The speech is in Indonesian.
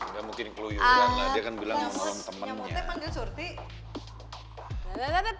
gak mungkin keluyuran dia kan bilang ngomong temennya